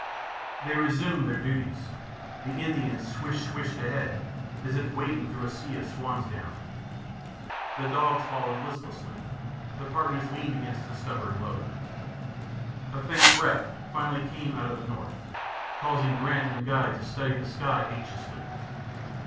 They resumed their duties; the Indian "swish swished" ahead, as if wading through a sea of swan's down; the dogs followed listlessly; the partners leaned against the stubborn load. A faint breath finally came out of the north, causing Grant and the guide to study the sky anxiously.